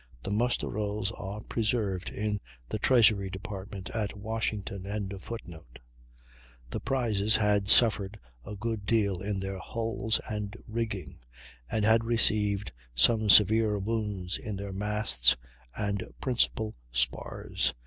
(The muster rolls are preserved in the Treasury Department at Washington.)] The prizes had suffered a good deal in their hulls and rigging, and had received some severe wounds in their masts and principal spars.